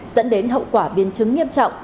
dẫn đến hậu quả biên chứng nghiêm trọng